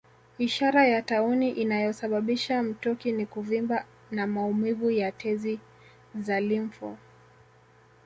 Ishara ya tauni inayosababisha mtoki ni kuvimba na maumivu ya tezi za limfu